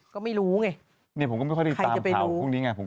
ก็ไม่รู้ไงใครจะไปรู้